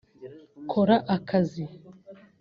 ’Kora akazi’